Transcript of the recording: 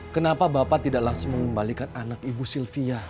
kenapa bapak tidak langsung mengembalikan anak ibu sylvia